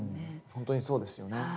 本当にそうですよね。